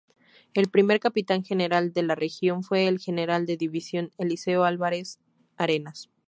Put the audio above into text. El primer Capitán General de la región fue el General de división Eliseo Álvarez-Arenas.